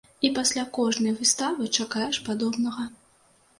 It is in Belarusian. І пасля кожнай выставы чакаеш падобнага.